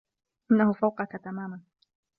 إنه فوقك تماما.